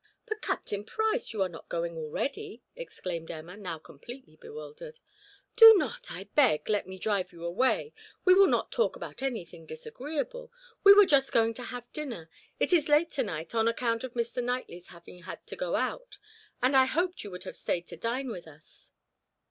"But Captain Price, you are not going already?" exclaimed Emma, now completely bewildered. "Do not, I beg, let me drive you away, we will not talk about anything disagreeable. We were just going to have dinner; it is late to night on account of Mr. Knightley's having had to go out, and I hoped you would have stayed to dine with us."